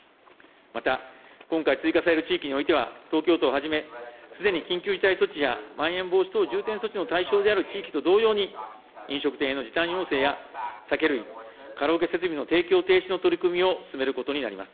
また、今回追加される地域においては、東京都をはじめ、すでに緊急事態措置やまん延防止等重点措置の対象である地域と同様に、飲食店への時短要請や酒類、カラオケ設備の提供停止の取り組みを進めることになります。